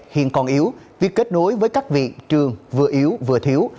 hiện còn yếu việc kết nối với các viện trường vừa yếu vừa thiếu